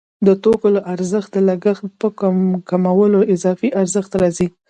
د توکو له ارزښت د لګښت په کمولو اضافي ارزښت راځي